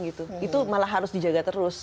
itu malah harus dijaga terus